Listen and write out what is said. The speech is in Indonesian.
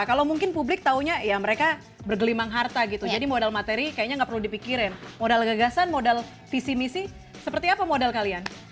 kalau mungkin publik taunya ya mereka bergelimang harta gitu jadi modal materi kayaknya nggak perlu dipikirin modal gagasan modal visi misi seperti apa modal kalian